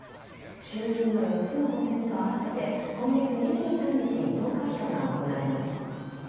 衆院の４つの補選と合わせて今月２３日に投開票が行われます。